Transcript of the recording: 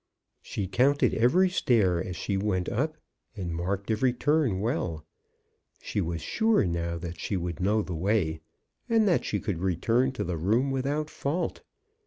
She counted every stair as she went up, and marked every turn well. She was sure now that she would know the way, and that she could return to the room without fault.